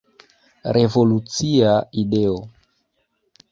Revolucia ideo.